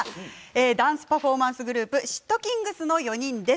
ダンスパフォーマンスグループｓ＊＊ｔｋｉｎｇｚの４人です。